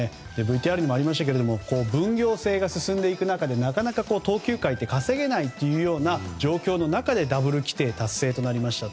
ＶＴＲにもありましたけど分業制が進んでいく中でなかなか投球回って稼げないというような状況の中でダブル規定達成となりました。